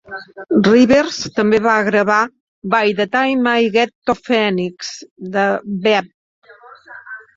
Rivers també va gravar "By the time I get to Phoenix" de Webb.